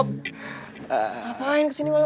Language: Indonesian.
ngapain kesini malem malem